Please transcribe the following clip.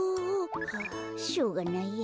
はあしょうがないや。